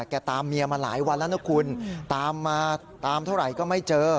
ตามเมียมาหลายวันแล้วนะคุณตามมาตามเท่าไหร่ก็ไม่เจอ